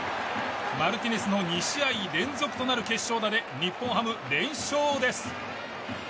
マルティネスの２試合連続となる決勝打で日本ハム、連勝です。